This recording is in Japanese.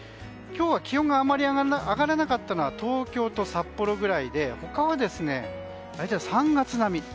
今日は気温があまり上がらなかったのは東京と札幌ぐらいで他は大体３月並み。